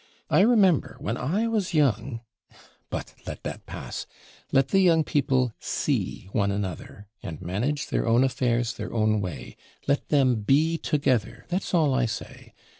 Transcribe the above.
I remember, when I was young but let that pass let the young people see one another, and manage their own affairs their own way let them be together that's all I say.